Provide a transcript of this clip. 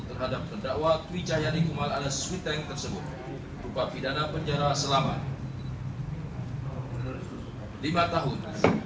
terhadap pendakwa twi chayani kumal ala suiteng tersebut rupa pidana penjara selama lima tahun